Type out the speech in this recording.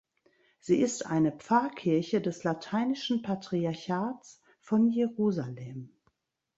Sie ist eine Pfarrkirche des Lateinischen Patriarchats von Jerusalem.